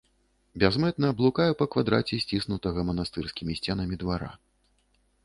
Бязмэтна блукаю па квадраце сціснутага манастырскімі сценамі двара.